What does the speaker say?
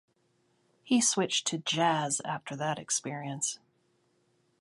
He switched to Jazz after that experience.